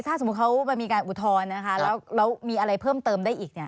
ถ้าสมมุติเขามีการอุทธรณ์แล้วมีอะไรเพิ่มเติมได้อีก